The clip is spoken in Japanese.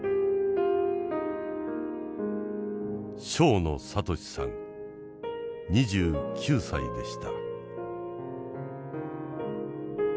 庄野聡さん２９歳でした。